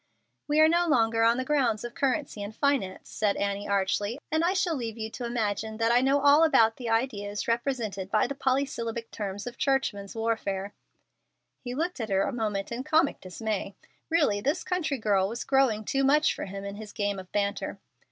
"We are no longer on the ground of currency and finance," said Annie, archly, "and I shall leave you to imagine that I know all about the ideas represented by the polysyllabic terms of churchmen's warfare." He looked at her a moment in comic dismay. Really this country girl was growing too much for him in his game of banter.